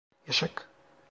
Eşek!